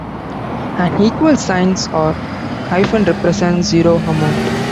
An equals sign or hyphen represent zero amount.